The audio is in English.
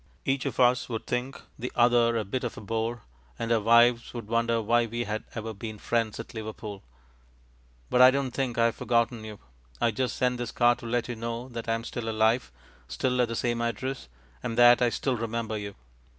Each of us would think the other a bit of a bore, and our wives would wonder why we had ever been friends at Liverpool. But don't think I have forgotten you. I just send this card to let you know that I am still alive, still at the same address, and that I still remember you.